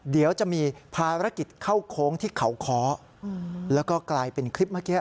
เดี๋ยวจะมีภารกิจเข้าโค้งที่เขาค้อแล้วก็กลายเป็นคลิปเมื่อกี้